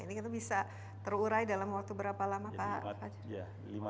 ini bisa terurai dalam waktu berapa lama pak